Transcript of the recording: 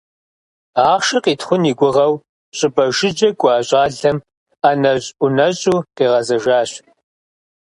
Ахъшэ къитхъун и гугъэу щӀыпӀэ жыжьэ кӀуа щӀалэм ӀэнэщӀ-ӀунэщӀу къигъэзэжащ.